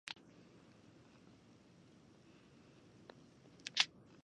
These include fruits, vegetables, whole grains, lean proteins, and healthy fats.